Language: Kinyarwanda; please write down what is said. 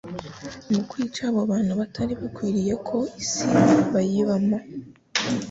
Mu kwica abo bantu batari bakwiriye ko isi bayibamo,